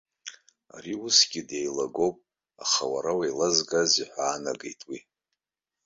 Ари усгьы деилагоуп, аха уара уеилазгазеи ҳәа аанагеит уи.